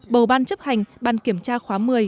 bầu ban chấp hành ban kiểm tra khóa một mươi